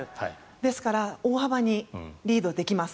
ですから大幅にリードできます。